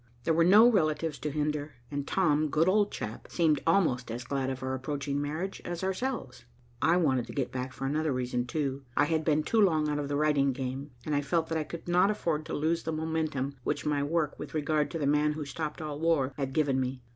There were no relatives to hinder, and Tom, good old chap, seemed almost as glad of our approaching marriage as ourselves. I wanted to get back for another reason, too. I had been too long out of the writing game, and I felt that I could not afford to lose the momentum which my work with regard to the man who stopped all war had given me.